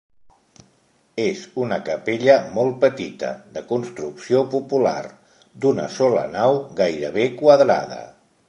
És una capella molt petita, de construcció popular, d'una sola nau gairebé quadrada.